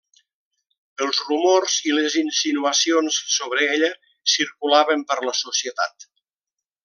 Els rumors i les insinuacions sobre ella circulaven per la societat.